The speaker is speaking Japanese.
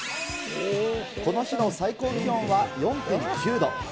この日の最高気温は４．９度。